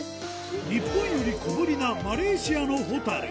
日本より小ぶりなマレーシアのホタル